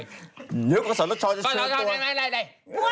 เฮ้ยเดี๋ยวก็สนุกชอบจะเชื่อตัว